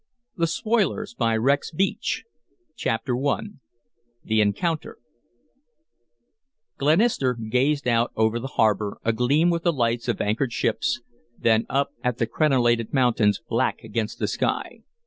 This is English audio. THE PROMISE OF DREAMS CHAPTER I THE ENCOUNTER Glenister gazed out over the harbor, agleam with the lights of anchored ships, then up at the crenelated mountains, black against the sky.